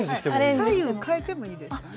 左右変えてもいいですね。